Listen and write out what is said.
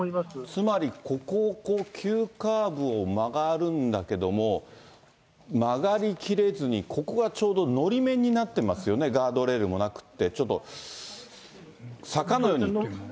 つまり、ここをこう、急カーブを曲がるんだけれども、曲がりきれずにここがちょうどのり面になってますよね、ガードレールもなくって、ちょっと坂のようになってる。